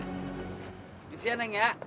gini sih ya neng ya